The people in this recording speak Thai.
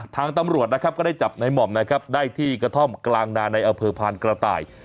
ทางตำรวจนะครับก็ได้จับในหม่อมนะครับได้ที่กระท่อมกลางนาในอำเภอพานกระต่าย